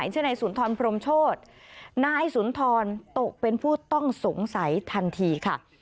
ชื่อนายสุนทรพรมโชธนายสุนทรตกเป็นผู้ต้องสงสัยทันทีค่ะ